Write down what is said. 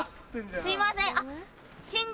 すいません。